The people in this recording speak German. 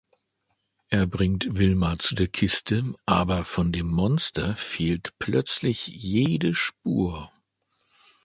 Er bringt Wilma zu der Kiste, aber von dem Monster fehlt plötzlich jede Spur.